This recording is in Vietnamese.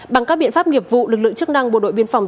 bằng các biện pháp nghiệp vụ lực lượng chức năng bộ đội biên phòng